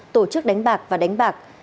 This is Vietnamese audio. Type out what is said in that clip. tổ chức đánh bạc và đánh bạc